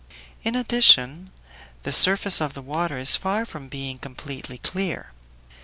In addition, the surface of the water is far from being completely clear.